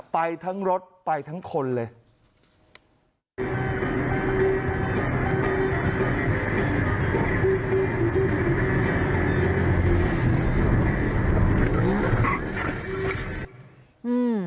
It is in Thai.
ไปทั้งรถไปทั้งคนเลย